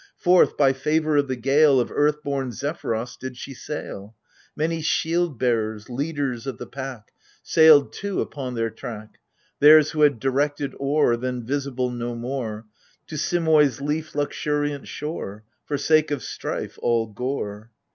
Forth, by favour of the gale Of earth born Zephuros did she sail. Many shield bearers, leaders of the pack, Sailed too upon their track, • Theirs who had directed oar. Then visible no more. To Simois' leaf luxuriant shore — For sake of strife all gore